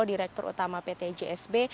direktur utama pt jsb